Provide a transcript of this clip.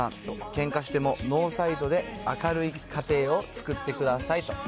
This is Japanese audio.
けんかしてもノーサイドで、明るい家庭を作ってくださいと。